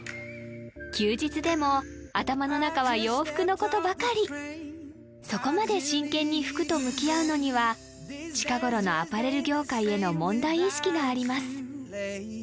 休日でも頭の中は洋服のことばかりそこまで真剣に服と向き合うのには近頃のアパレル業界への問題意識があります